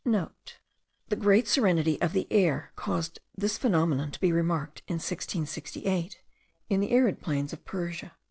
*(* The great serenity of the air caused this phenomenon to be remarked, in 1668, in the arid plains of Persia.)